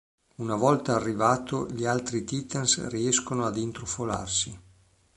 Una volta arrivato gli altri Titans riescono ad intrufolarsi.